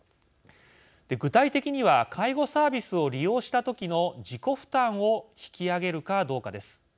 具体的には介護サービスを利用した時の自己負担を引き上げるかどうかです。